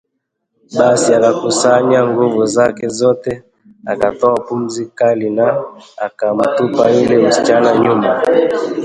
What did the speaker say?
Basi akakusanya nguvu zake zote, akatoa pumzi kali na akamtupa yule msichana nyuma